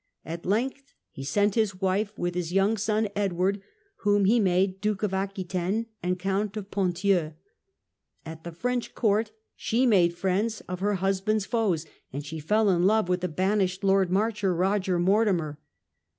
At length he sent his wife with his young son Edward, whom he made Duke of Aquitaine and Count of Ponthieu. At the French court invasion of she made friends of her husband's foes, and Mortimer, she fell in love with the banished lord marcher, Roger Mortimer.